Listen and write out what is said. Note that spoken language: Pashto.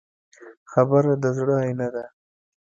خبره د زړه آیینه ده.